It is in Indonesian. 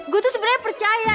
gue tuh sebenernya percaya